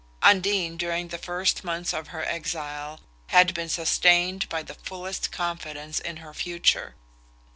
Undine, during the first months of her exile, had been sustained by the fullest confidence in her future.